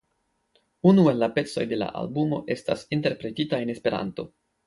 Unu el la pecoj de la albumo estas interpretita en Esperanto.